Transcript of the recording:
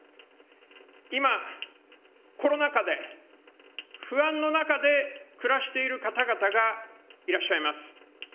今、コロナ禍で不安の中で暮らしている方々がいらっしゃいます。